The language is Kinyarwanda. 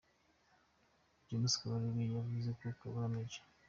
James Kabarebe yavuze ko kubura Maj.